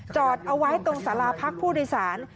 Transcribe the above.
จอดเอาไว้ตรงสาราพักผู้โดยสาร